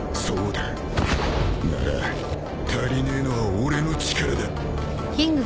なら足りねえのは俺の力だ。